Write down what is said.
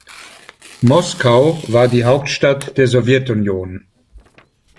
Moskau war die Hauptstadt der Sowjetunion.